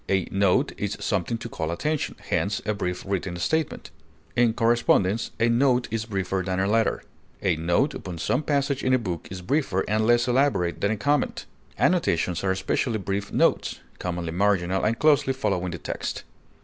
A note is something to call attention, hence a brief written statement; in correspondence, a note is briefer than a letter. A note upon some passage in a book is briefer and less elaborate than a comment. Annotations are especially brief notes, commonly marginal, and closely following the text.